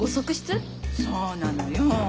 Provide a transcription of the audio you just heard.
そうなのよ。